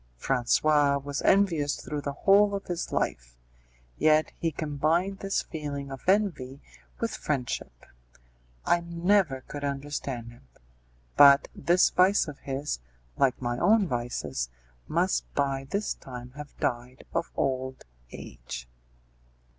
Francois was envious through the whole of his life; yet he combined this feeling of envy with friendship; I never could understand him; but this vice of his, like my own vices, must by this time have died of old age.